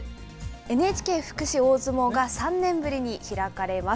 ＮＨＫ福祉大相撲が３年ぶりに開かれます。